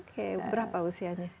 oke berapa usianya